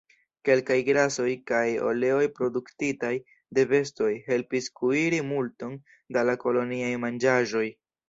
Kelkaj grasoj kaj oleoj produktitaj de bestoj helpis kuiri multon da la koloniaj manĝaĵoj.